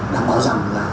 đảm bảo rằng là